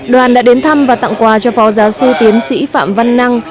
đoàn đã đến thăm và tặng quà cho phó giáo sư tiến sĩ phạm văn năng